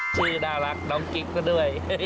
ชื่อน่ารักน้องกิ๊กซะด้วย